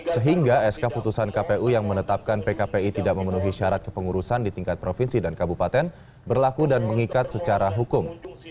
sehingga sk putusan kpu yang menetapkan pkpi tidak memenuhi syarat kepengurusan di tingkat provinsi dan kabupaten berlaku dan mengikat secara hukum